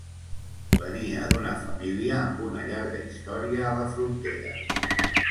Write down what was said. Ve nia d'una família amb una llarga història a la frontera.